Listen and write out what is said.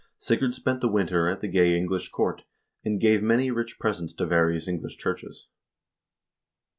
1 Sigurd spent the winter at the gay English court, and gave many rich presents to various English churches.